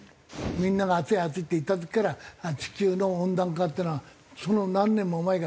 みんなが暑い暑いって言った時から地球の温暖化っていうのはその何年も前から始まってて。